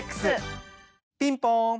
ピンポン。